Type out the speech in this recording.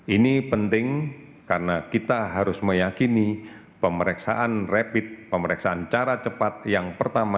ini penting karena kita harus meyakini pemeriksaan rapid pemeriksaan cara cepat yang pertama